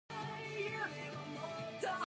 The interdiction did not last.